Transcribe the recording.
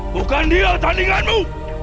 bukan dia tandinganmu